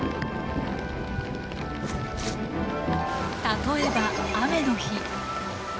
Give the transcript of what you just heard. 例えば雨の日。